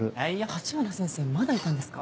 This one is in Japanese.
橘先生まだいたんですか？